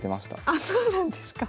あそうなんですか。